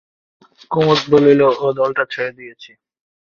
কুমুদ বলিল, ও দলটা ছেড়ে দিয়েছি।